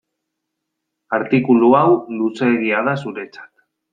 Artikulu hau luzeegia da zuretzat.